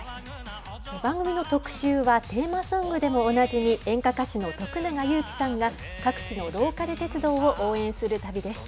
番組の特集は、テーマソングでもおなじみ、演歌歌手の徳永ゆうきさんが、各地のローカル鉄道を応援する旅です。